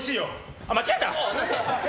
あ、間違えた。